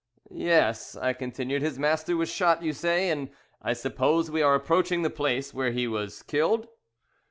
"Yes," I continued, "his master was shot, you say, and I suppose we are approaching the place where he was killed?"